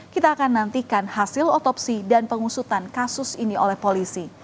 kita akan nantikan hasil otopsi dan pengusutan kasus ini oleh polisi